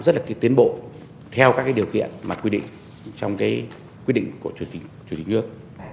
và phải có một sự tiến bộ theo các điều kiện mà quy định trong quy định của chủ tịch nước